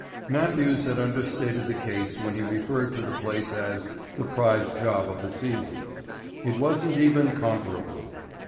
Matthews had understated the case when he referred to the place as the prize job of the season. It wasn't even comparable.